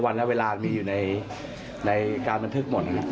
ณเวลามีอยู่ในการบันทึกหมด